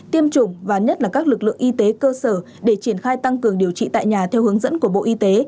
tiêm chủng và nhất là các lực lượng y tế cơ sở để triển khai tăng cường điều trị tại nhà theo hướng dẫn của bộ y tế